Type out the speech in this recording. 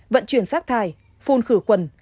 vận chuyển sát thai phun khử quần